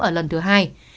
ở lần thứ hai